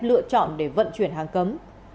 lựa chọn để vận chuyển hàng cấm